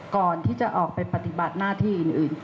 ก่อนที่จะออกไปปฏิบัติหน้าที่อื่น